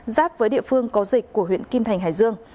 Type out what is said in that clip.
giáp với địa phương có dịch của huyện kim thành hải dương